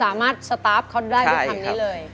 สามารถสตาร์ฟเขาได้ทุกคำนี้เลย